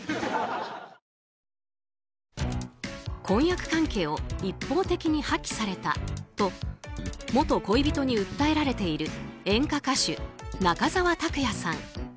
婚約関係を一方的に破棄されたと元恋人に訴えられている演歌歌手・中澤卓也さん。